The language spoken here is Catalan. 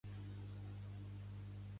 Pertany al moviment independentista la Fiona?